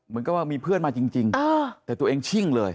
มีเพื่อนมาจริงแต่ตัวเองชิ่งเลย